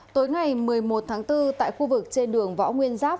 tối ngày một mươi một tháng bốn tại khu vực trên đường võ nguyên giáp